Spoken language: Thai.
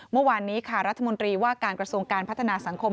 เมื่อวานนี้ค่ะรัฐมนตรีว่าการกระทรวงการพัฒนาสังคม